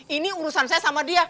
ini urusan saya sama dia